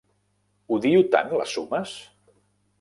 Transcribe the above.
Odio tant les sumes!